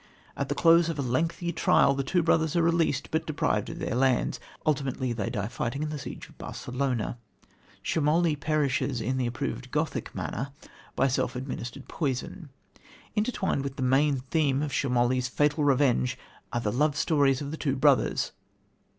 At the close of a lengthy trial the two brothers are released, but deprived of their lands. Ultimately they die fighting in the siege of Barcelona. Schemoli perishes, in the approved Gothic manner, by self administered poison. Intertwined with the main theme of Schemoli's fatal revenge are the love stories of the two brothers.